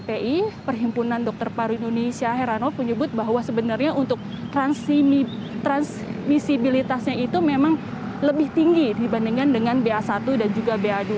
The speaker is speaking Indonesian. ppi perhimpunan dokter paru indonesia heranov menyebut bahwa sebenarnya untuk transmisibilitasnya itu memang lebih tinggi dibandingkan dengan ba satu dan juga ba dua